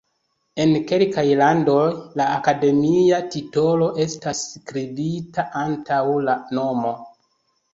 En kelkaj landoj la akademia titolo estas skribata antaŭ la nomo.